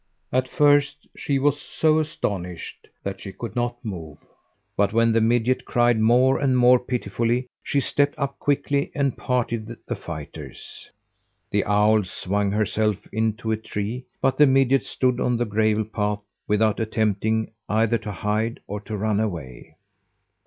At first she was so astonished that she could not move. But when the midget cried more and more pitifully, she stepped up quickly and parted the fighters. The owl swung herself into a tree, but the midget stood on the gravel path, without attempting either to hide or to run away.